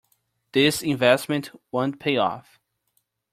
This investment won't pay off.